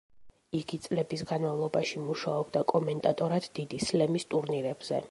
იგი წლების განმავლობაში მუშაობდა კომენტატორად დიდი სლემის ტურნირებზე.